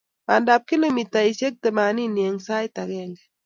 Bandap kilomitaisiek temanini eng sait agenge